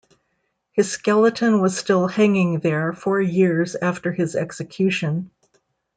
His skeleton was still hanging there four years after his execution.